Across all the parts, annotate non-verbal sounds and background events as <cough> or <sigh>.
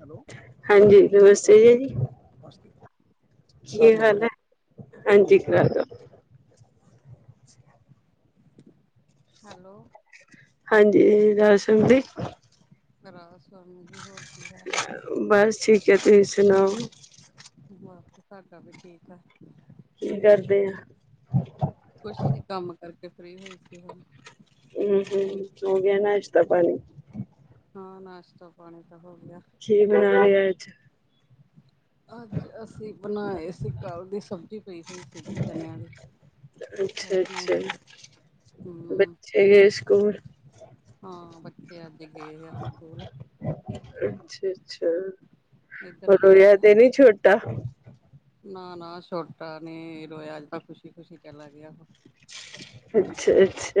Hello ਹਾਂਜੀ ਨਮਸਤੇ ਜੀ ਜੀ। ਨਮਸਤੇ। ਕਰ ਕੀ ਲਓ ਗੱਲ ਹਾਲ ਹੈ ਹਾਂਜੀ ਠੀਕ ਹੈ। ਕਰ ਹੈਲੋ ਹਾਂਜੀ <unintelligible> ਰਾਸਨ ਦੀ <unintelligible> ਰਾਸਾਮੀ ਬਸ ਠੀਕ ਹੈ ਤੁਸੀਂ ਸੁਣਾਓ। ਵਾ ਸਾਡਾ ਵੀ ਠੀਕ ਹੈ। ਕੀ ਕਰਦੇ ਆ। ਕੁਛ ਨੀ ਕੰਮ ਕਰਕੇ ਫ੍ਰਰੀ ਹੋਈ ਸੀ ਹੁਣ। ਹਮ-ਹਮ ਹੋ ਗਿਆ ਨਾਸ਼ਤਾ ਪਾਣੀ। ਹਾਂ ਨਾਸ਼ਤਾ ਪਾਣੀ ਤਾਂ ਹੋ ਗਿਆ। ਕੀ ਬਣਾਇਆ ਅੱਜ ਅੱਜ ਅਸੀਂ ਬਣਾਏ ਸੀ ਕੱਲ ਦੀ ਸਬਜ਼ੀ ਪਈ ਹੋਈ ਸੀਗੀ ਚਣਿਆਂ ਦੀ। ਉਹਦੇ ਨਾਲ ਹੀ ਅੱਛਾ-ਅੱਛਾ ਹੂੰ ਬੱਚੇ ਗਏ ਸਕੂਲ। ਹਾਂ ਬੱਚੇ ਅੱਜ ਗਏ ਆ ਸਕੂਲ। ਅੱਛਾ ਅੱਛਾ ਇੱਧਰ ਰੋ ਗਏ ਇਆ ਤੇ ਨਹੀਂ ਛੋਟਾ ਨਾ ਨਾ ਛੋਟਾ ਨ ਰੋਇਆਜ ਤਾਂ ਖੁਸ਼ੀ ਖੁਸ਼ੀ ਚਲਾ ਗਿਆ ਅੱਛਾ ਅੱਛਾ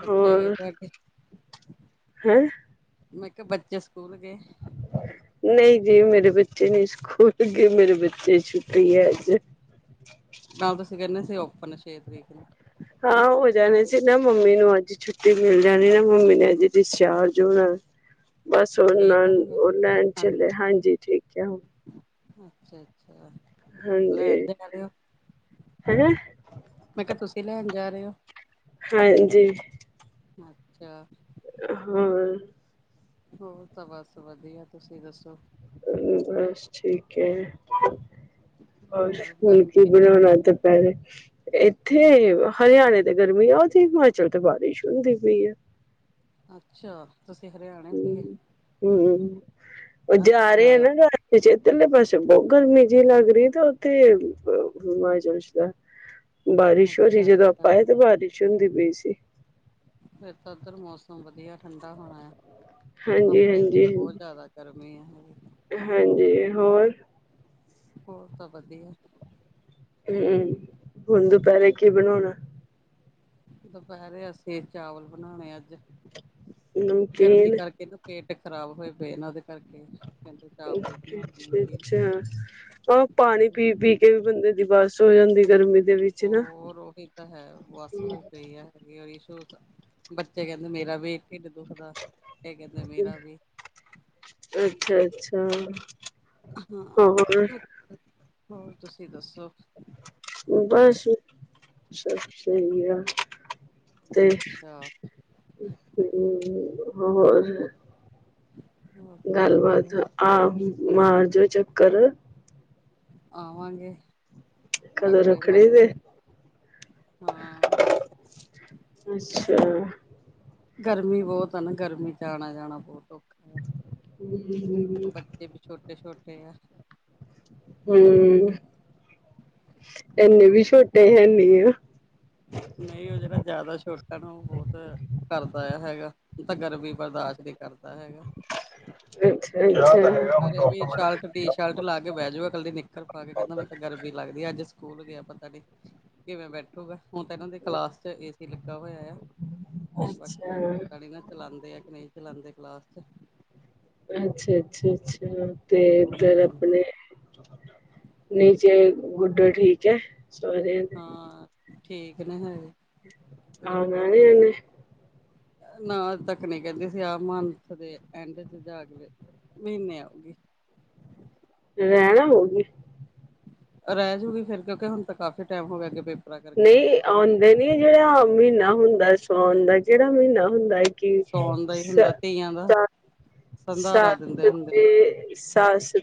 ਬੱਚੇ ਗਏ ਤੁਹਾਡੇ ਹੁ ਮੈਂ ਕਿਹਾ ਬੱਚੇ ਸਕੂਲ ਗਏ ਨਹੀਂ ਜੀ ਮੇਰੇ ਬੱਚੇ ਨਹੀ ਸਕੂਲ ਗ ਏ ਮੇਰੇ ਬੱਚੇ ਛੁੱਟੀ ਹੈ ਅੱਜ ਵਾਪਸ ਕਰਨਾ ਤੇ ਓਪਨ ਛੇ ਤਰੀਕ ਨੂੰ ਹਾਂ ਹੋ ਜਾਣੇ ਸੀ ਨਾ ਮੰਮੀ ਨੂੰ ਅੱਜ ਛੁੱਟੀ ਮਿਲ ਜਾਣੀ ਨਾ ਮੰਮੀ ਨੇ ਅੱਜ ਡਿਸਚਾਰਜ ਹੋਣਾ ਬਸ ਅੱਛਾ ਉਹ ਠੀਕ ਆ ਨਾਲ ਹੁਣ ਉਹ ਲੈਣ ਚਲੇਆ ਆਂਟੀ ਜੀ, ਹਾਂਜੀ ਠੀਕ ਆ ਹੁਣ ਅੱਛਾ ਅੱਛਾ ਹਾਂਜੀ। ਲੈਣ ਜਾ ਰ ਹੋ ਹੈਂ ਮੈਂ ਕਿਹਾ ਤੁਸੀਂ ਲੈਣ ਜਾ ਰਹੇ ਹੋ ਹਾਂਜੀ ਅੱਛਾ ਹਾਂ ਹੋਰ ਤਾਂ ਬਸ ਵਧੀਆ ਤੁਸੀਂ ਦੱਸੋ ਬਸ ਠੀਕ ਹੈ ਹੋਰ ਕੀ ਗਰਮੀ ਕੀ ਕਿੰਨੀ ਕੁ ਬਣਾਉਣਾ ਤ ਹੈਰ ਇੱਥੇ ਹਰਿਆਣੇ ਤੇ ਗਰਮੀ ਆ ਉਥੇ ਹਿਮਾਚਲ ਤੇ ਬਾਰਿਸ਼ ਹੁੰਦੀ ਪਈ ਆ ਅੱਛਾ ਤੁਸੀਂ ਹਰਿਆਣਾ ਹ ਹਮ ਉਹ ਜਾ ਰਹੇ ਅੱਛਾ ਆ ਨਾ ਸਾ ਤੇ ਜੇਤਲੇ ਪਾਸੇ ਬਹੁਤ ਗਰਮੀ ਜਹੀ ਲੱਗਦੀ ਤੇ ੳਥੈ ਥੇ ਹਿਮਾ੍ਚਲ ਐ ਬਾਰਿਸ਼ ਹੋ ਰਹੀ ਅੱਛਾ ਜਦੋਂ ਆਪਾਂ ਅੱਛਾ ਆਏ ਤਾਂ ਬਾਰਿਸ਼ ਹੁੰਦੀ ਪਈ ਸੀ ਫਿਰ ਤਾਂ ਉਧਰ ਮੌਸਮ ਵਧੀਆ ਠੰਢਾ ਹੋਣਾ ਆ ਹਾਂਜੀ, ਆਪਣੇ ਇਥੇ ਹਾਂਜੀ, ਤਾਂ ਬਹੁਤ ਹਾਂਜੀ। ਜ਼ਿਆਦਾ ਗਰਮੀ ਆ ਹੈਗੀ ਹਾਂਜੀ ਹੋਰ ਹੋਰ ਸਭ ਵਧੀਆ ਤੇ ਹੁਣ ਦੁਪਹਿਰੇ ਕੀ ਬਣਾਉਣਾ ਦੁਪਹਿਰੇ ਅਸੀਂ ਚਾਵਲ ਬਣਾਉਣੇ ਅੱਜ ਗਰਮੀ ਨਮਕੀਨ ਕਰਕੇ ਪੇਟ ਖਰਾਬ ਹੋਏ ਪਏ ਇਹ ਉਹਦੇ ਕਰਕੇ ਕਹਿੰਦੇ ਚਾਵਲ ਹੀ ਬਣਾ ਠੀਕ ਠੀਕ ਲੈਣੇ ਅੱਛਾ ਔ ਪਾਣੀ ਪੀ ਪੀ ਕੇ ਵੀ ਬੰਦੇ ਦੀ ਬੱਸ ਹੋ ਜਾਂਦੀ ਗਰਮੀ ਦੀ ਹੋਰ ਉਹੀ ਤਾਂ ਹੈ ਬੱਸ ਹੋਈ ਪਈ ਹੈ ਬੱਚੇ ਕਹਿੰਦੇ ਮੇਰਾ ਵੀ ਢਿੱਡ ਦੁੱਖਦਾ ਇਹ ਕਹਿੰਦੇ ਮੇਰਾ ਵੀ ਅੱਛਾ ਅੱਛਾ ਹੋਰ ਹਾਂ ਹੋਰ ਤੁਸੀਂ ਦੱਸੋ ਬਸ ਸਭ ਸਹੀ ਆ ਤੇ ਅੱਛਾ ਹਮ ਹੋਰ ਹੋਰ ਤਾਂ ਵਧੀਆ ਗੱਲਬਾਤ। ਹਹ ਮਾਰ ਜੋ ਚੱਕਰ। ਆਵਾਂਗੇ। ਕਦੋਂ ਅਗਲੇ ਰੱਖੜੀ ਮੰਥ ਤੇ ਹਾਂ। ਅੱਛਾ। ਗਰਮੀ ਬਹੁਤ ਹਨਾ ਨਾ ਗਰਮੀ ਚ ਆਣਾ ਜਾਣਾ ਬਹੁਤ ਓਖਾ ਹਮ ਹਮ। ਵੀ ਛੋਟੇ ਛੋਟੇ ਆ। ਹਮ ਇਨੇ ਵੀ ਛੋਟੇ ਹੈਨੀ ਆ। ਨਹੀਂ ਉਹ ਜਿਹੜਾ ਜ਼ਿਆਦਾ ਛੋਟਾ ਨਾ ਉਹ ਬਹੁਤ ਕਰਦਾ ਆ ਹੈਗਾ ਤ ਗਰਮੀ ਬਰਦਾਸ਼ ਨਹੀਂ ਕਰਦਾ ਹੈਗਾ। ਅੱਛਾ, ਅੱਛਾ। ਘਰੇ ਵੀ ਸ਼ਰਟ ਟੀ ਸ਼ਰਟ ਲਾ ਕੇ ਬਹਿ ਜੁਗਾ ਕੱਲੀ ਨਿੱਕਰ ਪਾ ਕੇ ਕਹਿੰਦਾ ਮੈਂ ਤਾਂ ਗਰਮੀ ਲੱਗਦੀ ਅੱਜ ਸਕੂਲ ਗਿਆ ਪਤਾ ਨੀ ਕਿਵੇਂ ਬੈਠੂਗਾ। ਹੁਣ ਤਾਂ ਇਹਨਾਂ ਦੇ ਕਲਾਸ 'ਚ ਏਸੀ ਲੱਗਾ ਹੋਇਆ ਆ ਅੱਛਾ, ਬਾਕੀ ਪਤਾ ਨੀ ਚਲਾਉਂਦੇ ਆ ਕਿ ਨਹੀਂ ਚਲਾਉਂਦੇ ਕਲਾਸ ਚ ਅੱਛਾ, ਅੱਛਾ, ਅੱਛਾ ਤੇ ਇੱਧਰ ਹਮ ਆਪਣੇ ਨੀਚੇ ਗੁਡੋ ਠੀਕ ਹੈ, ਸੋਰੈ ਹਾਂ ਠੀਕ ਨੇ ਹਜੇ। ਆਣਾ ਨੀ ਏਣੇ ਨਾ ਅਜ ਤੱਕ ਨਹੀਂ ਕਹਿੰਦੀ ਸੀ ਆਹ ਮੰਥ ਦੇ ਐਂਡ ਚ ਜਾ ਕੇ ਮਹੀਨੇ ਆਉਗੀ। ਰਹਿਣ ਆਉਗੀ। ਰਹਿ ਜੁਗੀ ਫਿਰ ਕਿਉਂਕਿ ਹੁਣ ਤਾਂ ਕਾਫ਼ੀ ਟਾਈਮ ਹੋਗਿਆ ਨਹੀਂ ਆਉਂਦੇ ਨੀ ਜਿਹੜਾ ਮਹੀਨਾ ਹੁੰਦਾ ਸਉਣ ਦਾ ਜਿਹੜਾ ਮਹੀਨਾ ਹੁੰਦਾ। ਸੌਣ ਦਾ ਹੀ ਹੁੰਦਾ ਧੀਆਂ ਦਾ <unintelligible> ਸੰਧਾਰਾ ਸੱਸ ਦਿੰਦੇ ਹੁੰਦੇ ਆ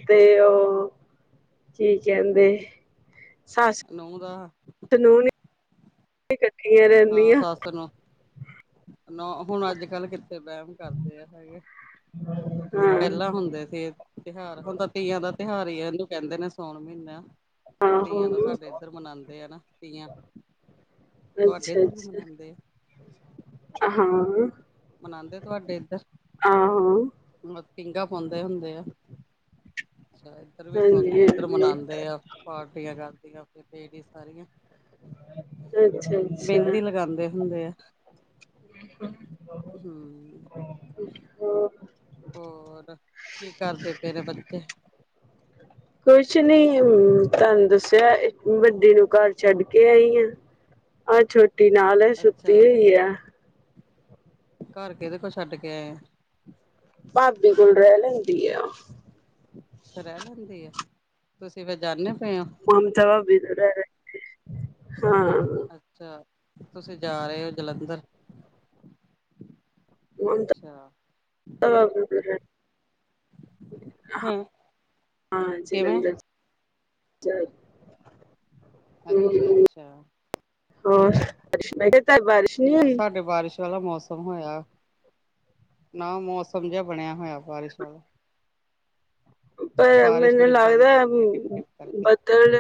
ਤੇ ਉਹ ਕੀ ਕਹਿੰਦੇ ਸੱਸ ਨੁਹ ਦਾ ਸਸ ਨੂੰ ਨੀ ਕੱਠੀਆਂ ਰਹਿੰਦੀਆਂ। ਨ ਹੁਣ ਅੱਜ ਕੱਲ੍ਹ ਕਿੱਥੇ ਬਹਿਮ ਕਰਦੇ ਆ ਹੈਗੇ ਪਹਿਲਾਂ ਹਾਂ ਹੁੰਦੇ ਸੀ। ਤਿਉਹਾਰ ਹੁਣ ਤਾ ਤੀਆਂ ਦਾ ਤਿਉਹਾਰ ਹੀ ਆ ਇਹਨੂੰ ਕਹਿੰਦੇ ਨੇ ਸੋਣ ਮਹੀਨਾ ਆਹੋ ਤੀਆਂ ਦਾ ਸਾਡੇ ਇੱਧਰ ਮਨਾਉਂਦੇ ਆ ਨਾ ਤੀਆਂ ਤੁਹਾਡੇ ਅੱਛਾ ਇੱਧਰ ਵੀ ਅੱਛਾ ਮਨਾਉਂਦੇ ਆ। ਹਾਂ। ਮਨਾਉਂਦੇ ਤੁਹਾਡੇ ਇੱਧਰ ਹਾ। ਮਤ ਪੀਘਾ ਪਾਉਂਦੇ ਹੁੰਦੇ ਆ ਅੱਛਾ ਇੱਧਰ ਵੀ ਹਾਂਜੀ ਪਾਉਂਦੇ ਇਧਰ ਹਾਂਜੀ ਮਨਾਉਂਦੇ ਆ ਪਾਰਟੀਆਂ ਕਰਦੀਆ ਲੇਡੀਜ਼ ਸਾਰੀਆਂ। ਅੱਛਾ ਅੱਛਾ ਮੇਹਿੰਦੀ ਲਗਾਉਂਦੇ ਹੁੰਦੇ ਆ। ਹਮ ਹੋਰ ਹੋਰ ਕੀ ਕਰਦੇ ਪੇ ਤੇਰੇ ਬੱਚੇ ਕੁਛ ਨੀ ਤੁਹਾਨੂੰ ਦੱਸਿਆ ਵੱਡੀ ਨੂੰ ਘਰ ਛੱਡ ਕੇ ਆਈ ਆ ਆਹ ਛੋਟੀ ਨਾਲ ਹੈ ਸੁਤੀ ਅੱਛਾ ਹੋਈ ਆ। ਘਰ ਕਿਦੇ ਕੋਲ ਛੱਡ ਕੇ ਆਏ ਆ। ਭਾਬੀ ਕੋਲ ਰਹਿ ਲੈਂਦੀ ਆ ਉਹ। ਰਹਿ ਲੈਂਦੀ ਆ ਤੁਸੀਂ ਫੇਰ ਜਾਣੇ ਪਏ ਹੋ। ਮਮਤਾ ਵੀ ਰੇਹ ਲੇਦੀ ਏ। ਅੱਛਾ। ਅੱਛਾ ਤੁਸੀਂ ਜਾ ਰਹੇ ਹੋ ਜਲੰਧਰ ਅੱਛਾ। ਮਮਤਾਂ ਹਾਂ, ਹੂੰ, ਹਾਂ ਕਿਵੇਂ? ਜਲੰਧਰ ਹਮ ਅੱਛਾ-ਅੱਛਾ। ਹੋਰ ਸਵੇਰ ਤਕ ਬਾਰਿਸ਼ ਨੀ ਨਾ ਹੋਈ ਸਾਡੇ ਬਾਰਿਸ਼ ਵਾਲਾ ਮੌਸਮ ਹੋਇਆ। ਨਾ ਮੌਸਮ ਜਿਹਾ ਬਣਿਆ ਹੋਇਆ ਬਾਰਿਸ਼ ਵਾਲਾ। ਪਰ ਬਾਰਿਸ਼ ਮੈਨੂੰ ਵੀ ਏਦਾਂ ਦੀ ਲੱਗਦਾ ਪੈਂਦੀ ਹੈ ਟਿਪ-ਟਿਪ ਕਰਕੇ। ਬੱਦਲ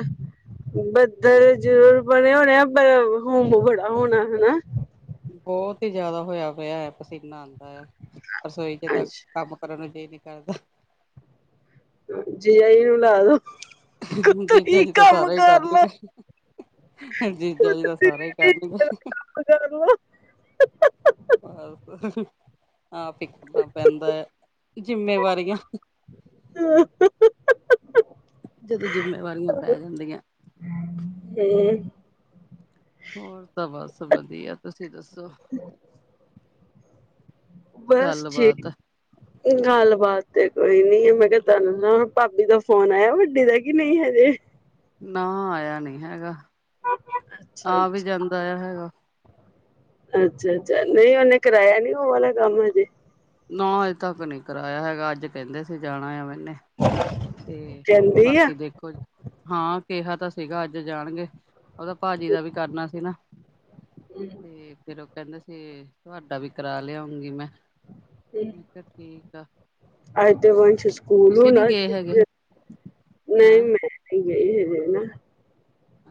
ਬੱਦਲ ਜ਼ਰੂਰ ਬਣੇੇ ਹੋਣੇ ਆ ਪਰ ਹਮ ਬੜਾ ਹੋਣਾ ਹਨਨਾ। ਬਹੁਤ ਹੀ ਜਿਆਦਾ ਹੋਇਆ ਪਇਆ ਹੈ, ਪਸੀਨਾ ਆਉਂਦਾ ਹੈ ਰਸੋਈ ਚ ਤਾਂ ਅੱਛਾ ਕੰਮ ਵੜਨ ਨੂੰ ਜੀ ਨਹੀਂ ਕਰਦਾ। ਜੀਜਾ ਜੀ ਨੂੰ ਲਾ ਦੋ ਜੀਜਾ ਤੁਸੀਂ ਤਾਂ ਕੰਮ ਸਾਰਾ ਹੀ ਕਰ ਲੈਣ ਲੋ। ਗਏ। ਜੀਜਾ ਜੀ ਤਾਂ ਸਾਰਾ ਹੀ ਕਰਨ ਗਏ ਕਰ <unintelligible> ਪਰ ਆਪ ਹੀ ਕਰਨਾ ਪੈਂਦਾ, ਜਿੰਮੇਵਾਰੀਆਂ। ਹ। ਜਦੋਂ ਜਿੰਮੇਵਾਰੀਆਂ ਪੈ ਜਾਂਦੀਆਂ। ਹਮ। ਹੋਰ ਤਾਂ ਬਸ ਵਧੀਆ ਤੁਸੀਂ ਦੱਸੋ? ਹਮ। <inaudible> ਬਸ ਠੀਕ। ਗੱਲਬਾਤ ਗੱਲ ਬਾਤ ਤੇ ਕੋਈ ਨੀ ਮੈਂ ਕਿਹਾ ਤੁਹਾਨੂੰ ਨਾ ਭਾਬੀ ਦਾ ਫੋਨ ਆਇਆ ਵੱਡੀ ਦਾ। ਕਿ ਨਹੀਂ ਹਜੇ। ਨਾ ਆਇਆ ਨੀ ਹੈਗਾ, ਅੱਛਾ ਆ ਵੀ ਅੱਛਾ ਜਾਂਦਾ ਹੈਗਾ। ਅੱਛਾ, ਅੱਛਾ, ਨਹੀਂ ਉਹਨੇ ਕਰਾਇਆ ਨੀ ਉਹ ਵਾਲਾ ਕੰਮ ਹਜੇ। ਨਾ ਅਜੇ ਤੱਕ ਨਹੀ ਕਰਾਇਆ ਹੈਗਾ, ਅੱਜ ਕਹਿੰਦੇ ਸੀ ਜਾਣਾ ਆ ਮੈਨੇ। ਤੇ ਕਹਿੰਦੀ ਆ। ਬਾਕੀ ਦੇਖੋ। ਹਾਂ ਕਿਹਾ ਤਾਂ ਸੀਗਾ ਅੱਜ ਜਾਣਗੇ, ਉਹਦਾ ਭਾਜੀ ਦਾ ਵੀ ਕਰਨਾ ਸੀ ਨਾ। ਹਮ। ਤੇ ਫੇਰ ਉਹ ਕਹਿੰਦੇ ਸੀ ਤੁਹਾਡਾ ਵੀ ਕਰਾ ਲਿਆਉਂਗੀ ਮੈਂ। ਮੈਂ ਕਿਹਾ ਠੀਕ ਆ। ਅੱਜ ਤਾਂ ਵੰਸ ਸਕੂਲ ਤੁਸੀਂ ਨੀ ਹੋਣਾ, ਅੱਜ ਗਏ ਹੈਗੇ ਕਿਥੇ, ਨਹੀ ਹੈਂ ਮਿਲੇ ਕੀਜ ਹੈ ਹਨਾ।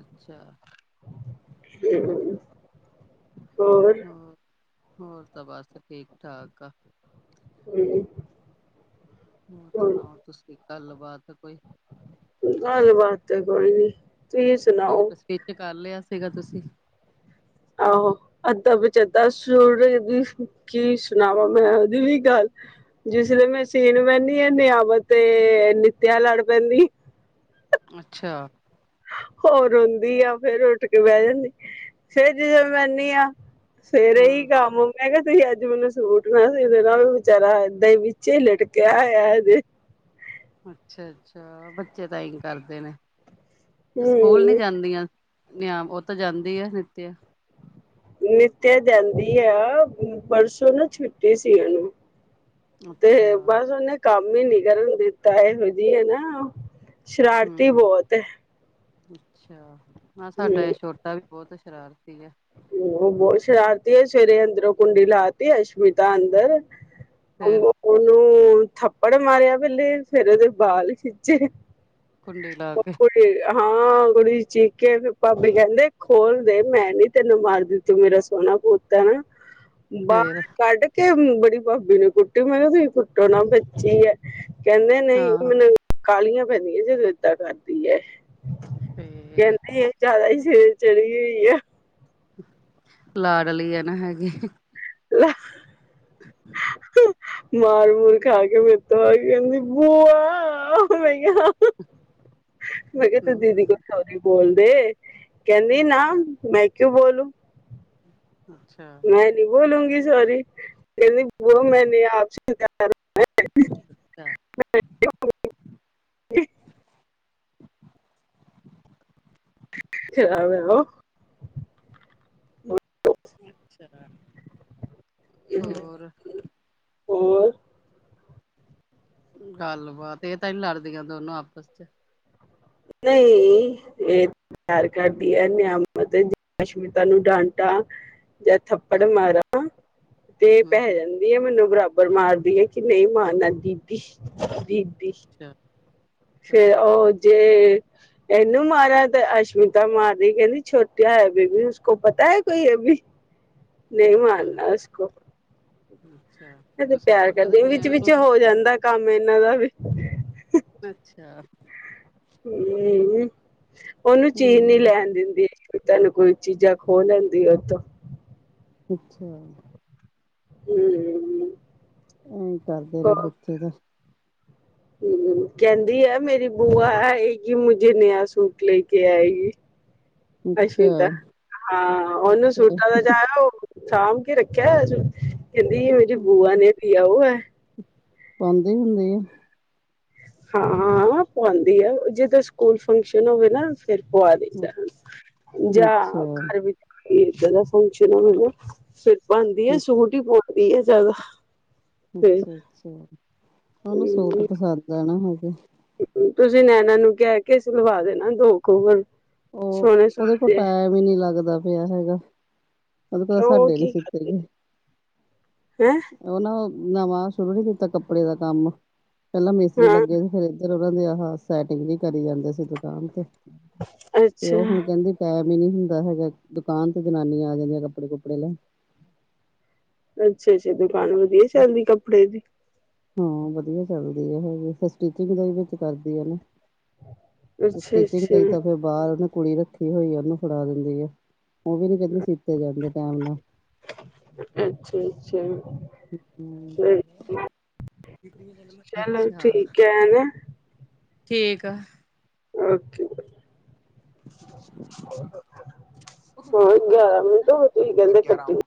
ਅੱਛਾ। ਹੋਰ ਹੋਰ, ਹੋਰ ਤਾਂ ਬਸ ਠੀਕ -ਠਾਕ ਆ। ਹਮ। ਹੋਰ ਸੁਣਾਓ, ਤੁਸੀਂ ਗੱਲ ਬਾਾਤ ਕੋਈ? ਗੱਲ ਬਾਤ ਕੋਈ ਨੀ, ਤੁਸੀ ਸੂਟ ਸਟਿਚ ਕਰ ਲਿਆ ਸੀਗਾ ਤੁਸੀਂ? ਆਹੋ ਅੱਧਾ ਪਚਦਾ ਸੂਟ ਕੀ ਸੁਣਾਵਾਂ, ਮੈਂ ਉਹਦੀ ਵੀ ਗੱਲ ਜਿਸ ਵੇਲੇ ਮੈਂ ਸੀਨ ਬਹਿੰਦੀ ਹਾਂ, ਨਿਆਵਤ ਤੇ ਨਿੱਤਿਆ ਲੜ ਪੈਂਦੀ। ਅੱਛਾ। ਹੋਰ, ਰੋਂਦੀ ਆ ਫੇਰ ਉੱਠ ਕੇ ਬਹਿ ਜਾਂਦੀ ਫੇਰ ਜਦੋਂ ਬਹਿੰਦੀ ਆ। ਸਵੇਰੇ ਹੀ ਕੰਮ ਮੈਂ ਕਿਹਾ ਤੁਸੀਂ ਅੱਜ ਮੈਨੂੰ ਸੂਟ ਮੈਂ ਸੀ ਦੇਣਾ ਵੀ ਵਿਚੇਚਾਰਾ ਇਏਦਾਂ ਹੀ ਵਿੱਚੇ ਹੀ ਲਟਕਿਆ ਹੋਇਆ ਹਜੇ। ਅੱਛਾ ਅੱਛਾ ਬੱਚੇ ਤਾਂ ਹੀ ਕਰਦੇ ਨੇ ਸਕੂਲ ਨੀ ਹੂੰ ਜਾਂਦੀਆਂ ਨਿਆ ਉਹ ਤਾਂ ਜਾਂਦੀ ਆ ਨਿਤਿਆ। ਨਿਤਿਆ ਜਾਂਦੀ ਆ ਪਰਸੋਂ ਨਾ ਛੁੱਟੀ ਸੀ ਉਹਨੂੰ ਤੇ ਅੱਛਾ ਬਸ ਉਹਓਹਨੇ ਕੰਮ ਹੀ ਨੀ ਕਰਨ ਦਿੱਤਾ ਇਹੋ ਜਿਹੀ ਹੈ ਨਾ। ਸ਼ਰਾਰਤੀ ਹੂੰ-ਹੂੰ ਬਹੁਤ ਹੈ। ਅੱਛਾ, ਹਾਂ ਸਾਡਾ ਹੂੰ ਇਹ ਛੋਟਾ ਵੀ ਬਹੁਤ ਸ਼ਰਾਰਤੀ ਆ। ਬਹੁਤ ਸ਼ਰਾਰਤੀ ਹੈ ਸਵੇਰੇ ਅੰਦਰੋਂ ਕੁੰਡੀ ਲਾਤੀ ਅਸ਼ਮਿਤਾ ਅੰਦਰ ਫੇਰ ਉਹਨੂੰ ਥੱਪੜ ਮਾਰਿਆ ਪਹਿਲੇ, ਫੇਰ ਉਹਦੇ ਬਾਲ ਖਿੱਚੇ ਕੁੁੰਡੀ ਲਾ ਕੇ ਕੁੜੀ ਹਾਂ ਕੁੜੀ ਚੀਕੇ ਭਾਬੇ ਕਹਿੰਦੇ ਖੋਲਦੇ ਮੈਂ ਨੀ ਤੈਨੂੰ ਮਾਰ ਦਿੱਤੀ। ਤ ਮੇਰਾ ਸੋਨਾ ਪੋਤਤਾ ਨਾ ਫੇਰ ਬਾਹਰ ਕੱਢ ਕੇ ਬੜੀ ਭਾਬੀ ਨੇ ਕੁੱਟੀ ਮੈਂ ਕਿਹਾ ਤੁਸੀਂ ਕੁੱਟੋ ਨਾ ਬੱਚੀ ਹੈ। ਕਹਿੰਦੇ ਨਹੀਂ ਹਾਂ ਮੈਨੂੰ ਕਾਹਾਲੀਆਂ ਪੈਂਦੀਆਂ ਜੋਂ ਇਏਦਾਂ ਕਰਦੀ ਹੈ। ਫੇਰ ਕਹਿੰਦੇ ਇਹ ਜ਼ਿਆਦਾ ਹੀ ਸਿਰੇ ਚੜੀ ਹੋਈ ਆ। ਲਾਡਲੀ ਆ ਨਾ ਹੈਗੀ ਲ <unintelligible> ਠ ਮਾਰ ਮੂਰ ਖਾ ਕੇ ਮੇਰੇ ਤੋਂ ਆ ਕਹਿੰਦੀ ਬੂਆ ਮੈਂ ਕਿਹਾ <unintelligible> ਹ <inaudible> ਮੈਂ ਕਿਹਾ ਤੂੰ ਦੀਦੀ ਕੇ ਹੂੰ ਸਾਧ ਨੀ ਬੋਲਦੇ ਕਹਿੰਦੀ ਨਾ ਮੈਂ ਕਿਉਂ ਬੋਲੂ ਅੱਛਾ ਮੈਂ ਨਹੀਂ ਬੋਲੂੰਗੀ ਸੋਰੀ ਕਹਿੰੋ ਮੈਂ ਆਪ <unintelligible> ਅੱਛਾ <unintelligible> ਛ <unintelligible> ਅੱਛਾ ਹੋਰ ਹੋਰ ਗੱਲ ਬਾਤ ਇਹ ਤਾਂ ਨੀ ਲੜਦੀਆਂ ਦੋਨੋ ਆਪਸ ਚ ਨਹੀਂ ਤਿਆਰ ਕਰਦੀ ਹੈ ਨਿਆਮਤ ਅਸ਼ਮਿਤਾ ਨੂੰ ਡਾਂਟਾ ਜਾਂ ਥੱਪੜ ਮਾਰਾ ਤੇ ਪੈ ਹੂੰ-ਹੂੰ-ਹੂੰ ਜਾਂਦਾ ਏਹੀ ਮੈਨੂੰ ਬਰਾਬਰ ਮਾਰਦੀ ਹੈ ਕਿ ਨਹੀਂ ਮਾਰਨਾ ਦੀਦੀ ਦੀ ਅੱਛਾ ਚਲੋ ਫੇਰ ਉਹ ਵਧੀਆ ਜੇ ਇਹਨੂੰ ਮਾਰਾ ਤੇ ਅਸ਼ਮਿਤਾ ਮਾਰਦੀ ਕਹਿੰਦੀ ਛੋਟਿਆ ਹੈ ਬੀਬੀ ਉਸ ਕੋ ਪਤਾ ਹੈ ਕੋਈ ਇਹ ਵੀ ਨਈ ਅੱਛਾ ਮਾਰਨਾ ਉਸਕੋ ਅੱਛਾ ਇਹ ਤੇ ਤੁਸੀਂ ਪਿਆਰ ਕੁੱਟ ਕਰਦੇ ਦਿੰਦੇ ਆ ਵਿੱਚ ਇਹਨਾਂ ਵਿਚ ਨੂੰ ਹੋ ਜਾਂਦਾ ਕੰਮ ਇਹਨਾਂ ਦਾ ਵੀ ਅੱਛਾ ਹੁ ਉਹਨੂੰ ਚੀਜ ਨੀ ਹੂੰ ਲੈਣ ਦਿੰਦੀ ਤੁਹਾਨੂੰ ਕੋਈ ਚੀਜ਼ਾਂ ਖੋਹ ਲੈਂਦੀ ਉਥੋਂ ਅੱਛਾ ਹੁ <inaudible> ਹਮ, ਕਹਿੰਦੀ ਆ ਮੇਰੀ ਬੂਆ ਆਏਗੀ ਮੁਝੇ ਨਯਾ ਸੂਟ ਲੈ ਕੇ ਆਏਗੀ ਅੱਛਾ ਅਸ਼ਞਿਤਾ ਹਾਂ ਉਹਨੂੰ ਅੱਛਾ ਸੂਟਾਂ ਦਾ ਚਾਹ ਓ ਸਾਂਭ ਕੇ ਰੱਖਿਆ ਹੂਆ ਸ ਕਹਿੰਦੀ ੳਦੀ ਬੂਆ ਨੇ ਦਿਆ ਹੁਆ ਏ ਪਾਂਦੇ ਹੁੰਦੇ ਆ ਹਾਂ ਹਾਂ ਪਾਉਂਦੀ ਆ ਜਿਦੋ ਸਕੂਲ ਫੰਕਸ਼ਨ ਹੋਵੇ ਨਾ ਫਿਰ ਹੋਆ ਦਦਾ ਜਾਂ ਅੱਛਾ ਘਰ ਵਿੱਚ <unintelligible> ਇਏਦਾਂ ਦਾ ਫੰਕਸ਼ਨ ਆ ਮੈਲੂੰ ਫਿਰ ਬਣਦੀ ਆ ਸੂਟ ਹੀ ਪਾਉਂਦੀ ਹੈ ਜ਼ਿਆਦਾ <unintelligible> ਫਿਰ ਅੱਛਾ -ਅੱਛਾ ਉਨੂੰ ਸੂਟ ਹਮ ਪਸੰਦ ਐ ਨਾ ਹੋਗੇ ਤੁਸੀਂ ਨੈਣਾ ਨੂੰ ਕਹਿ ਕੇ ਸਲਵਾ ਦੇਣਾ ਦੋ ਖੋਬਰ ਉਹ ਉਹਦੇ ਕੋਲ ਟਾਈਮ ਹੀ ਨਹੀਂ ਲੱਗਦਾ ਪਿਆ ਹੈਗਾ। ਉਹਦੇ ਕੋਲ ਰੋਲੋ ਸਾਡੇ ਨੀ ਕੀ ਸੀਤੇ ਕਰਦੇ ਹੈਂ ਉਹਨਾਂ ਨਵਾਂ ਸ਼ੁਰੂ ਨੀ ਕੀਤਾ ਕੱਪੜੇ ਦਾ ਕੰਮ, ਪਹਿਲਾਂ ਮਿਸਤਰੀ ਹਾਂ ਲੱਗੇ ਸੀ ਫਿਰ ਉਹਨਾਂ ਦੀ ਆ ਸੈਟਿੰਗ ਵੀ ਕਰੀ ਜਾਂਦੇ ਸੀ ਦੁਕਾਨ ਤੇ <inaudible> ਤੇ ਉਹ ਹੁਣ ਕਹਿੰਦੀ ਟਾਈਮ ਹੀ ਨਹੀਂ ਹੁੰਦਾ ਹੈਗਾ ਦੁਕਾਨ ਤੇ ਜਨਾਨੀਆਂ ਆ ਜਾਂਦੀਆਂ ਕੱਪੜੇ ਕੁੱਪੜੇ ਲੈਣ ਅੱਛਾ ਜੀ ਦੁਕਾਨ ਵਧੀਆ ਚੱਲਦੀ ਕੱਪੜੇ ਦੀ ਹਾਂ। ਵਧੀਆ ਚੱਲਦੀ ਆ ਹੈਗੀ ਸਟਿਚਿੰਗ ਦਾ ਵਿੱਚ ਕਰਦੀ ਆ ਨਾ ਅੱਛਾ ਸਟੀਚਿੰਗ ਅੱਛਾ ਲਈ ਤ ਫਿਰ ਬਾਹਰ ਉਹਨੇ ਕੁੜੀ ਰੱਖੀ ਹੋਈ ਆ ਉਹਨੂੰ ਫੜਾ ਦਿੰਦੀ ਆ ਉਹ ਵੀ ਨੀ ਕਹਿੰਦੇ ਸੀਤੇ ਜਾਂਦੇ ਟੇਮ ਨਾਲ ਅੱਛਾ, ਅੱਛਾ ਫਿਰ ਚਲੋ ਅੱਛਾ ਠੀਕ ਹੈ ਨਾ ਠੀਕ ਆ ਓਕੇ। ਹਾਂ, ਗਿਆਰਾਂ ਮਿੰਟ ਹੋ ਗਏ ਗੱਲ ਗਿਆਰਾਂ ਕਟੀ ਹੋ